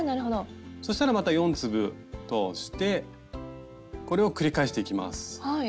そしたらまた４粒通してこれを繰り返していきます。